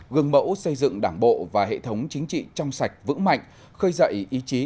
gương mẫu xây dựng đảng bộ và hệ thống chính trị trong sạch vững mạnh khơi dậy ý chí